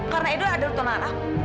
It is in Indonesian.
karena edo ada tunangan aku